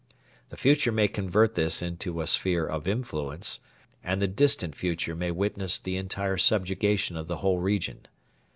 The future may convert this into a sphere of influence, and the distant future may witness the entire subjugation of the whole region.